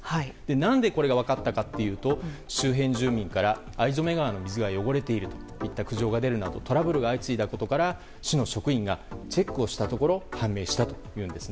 何でこれが分かったかというと周辺住民から逢初川の水が汚れているといった苦情が出るなどトラブルが相次いだことから市の職員がチェックをしたところ判明したというんです。